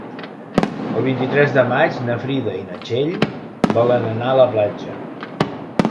El vint-i-tres de maig na Frida i na Txell volen anar a la platja.